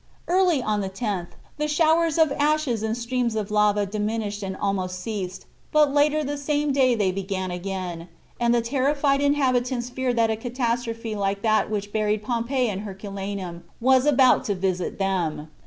Early on the 10th the showers of ashes and streams of lava diminished and almost ceased, but later the same day they began again, and the terrified inhabitants feared that a catastrophe like that which buried Pompeii and Herculaneum was about to visit them.